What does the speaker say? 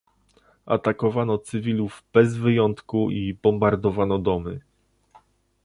Atakowano cywilów bez wyjątku i bombardowano domy